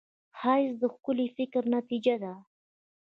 ښایست د ښکلي فکر نتیجه ده